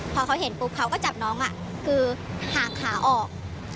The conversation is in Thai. พอเขาเห็นปุ๊บเขาก็จับน้องคือห่างขาออก